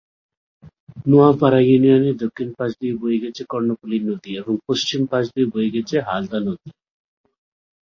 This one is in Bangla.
নোয়াপাড়া ইউনিয়নের দক্ষিণ পাশ দিয়ে বয়ে গেছে কর্ণফুলী নদী এবং পশ্চিম পাশ দিয়ে বয়ে গেছে হালদা নদী।